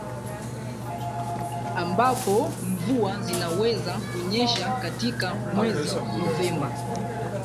ambapo mvua zinaweza kunyesha katika mwezi Novemba